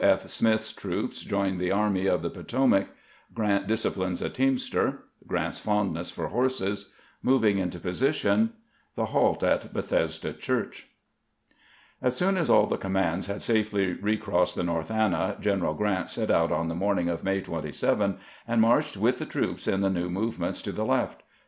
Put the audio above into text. P. SMITH'S TEOOPS JOIN THE AEMY OF THE PO TOMAC— GEANT DISCIPLINES A TEAMSTEE — GEANT'S FONDNESS FOE HOESES — MOVING INTO POSITION — THE HALT AT BETHESDA CHUECH AS soon as all the commands had safely recrossed the i\ North Anna, General G rant set out on the morn ing of May 27, and marched with the troops in the new movement to the left.